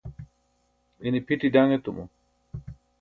ine pʰiti daṅ etumo